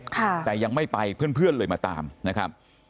แต่ยังไม่ไปเพื่อนเลยมาตามนะครับ